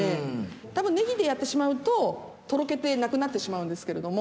多分ねぎでやってしまうとトロけてなくなってしまうんですけれども。